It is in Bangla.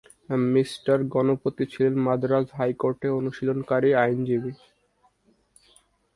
মিঃ গণপতি ছিলেন মাদ্রাজ হাইকোর্টে অনুশীলনকারী আইনজীবী।